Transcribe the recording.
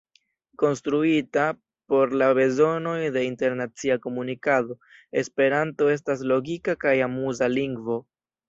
Konstruita por la bezonoj de internacia komunikado, esperanto estas logika kaj amuza lingvo.